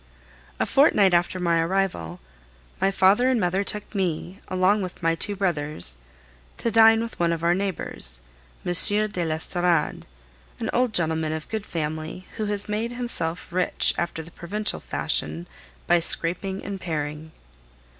A fortnight after my arrival, my father and mother took me, along with my two brothers, to dine with one of our neighbors, M. de l'Estorade, an old gentleman of good family, who has made himself rich, after the provincial fashion, by scraping and paring.